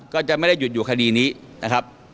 ก็จะไม่ได้หยุดอยู่คดีนี้นะครับ